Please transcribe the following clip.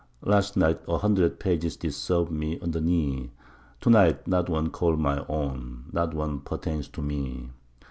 Last night a hundred pages did serve me on the knee To night not one I call my own not one pertains to me.